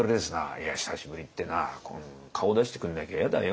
「いや久しぶりってな顔出してくんなきゃ嫌だよ。